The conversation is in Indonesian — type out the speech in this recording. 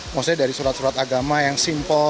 maksudnya dari surat surat agama yang simpel